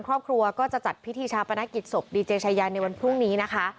ครอบครัวก็จะจัดพิธีชาปนกิจศพดีเจชายาในวันพรุ่งนี้นะคะ